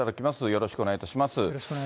よろしくお願いします。